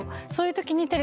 そういうときに。